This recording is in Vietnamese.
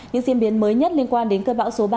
những diễn biến mới nhất liên quan đến cơn bão số ba